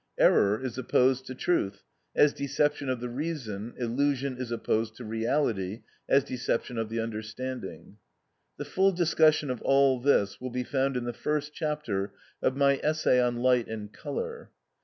Error is opposed to truth, as deception of the reason: illusion is opposed to reality, as deception of the understanding. The full discussion of all this will be found in the first chapter of my essay on Light and Colour.